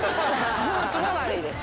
風磨君が悪いです。